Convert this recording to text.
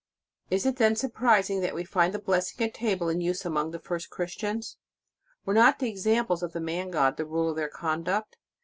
]: Is it then surprising that we find the blessing at table in use among the first Christians? Were not the examples of the Man God the rule of their conduct?